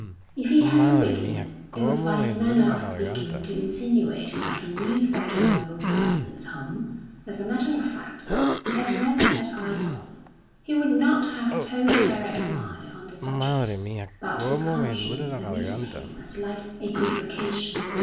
If he had a weakness, it was by his manner of speaking to insinuate that he knew certain noble persons whom, as a matter of fact, he had never set eyes on; he would not have told a direct lie on the subject, but his conscience permitted him a slight equivocation.